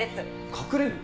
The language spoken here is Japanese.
隠れる？